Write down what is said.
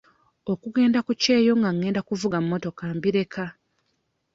Okugenda ku kyeyo nga ngenda kuvuga mmotoka mbireka.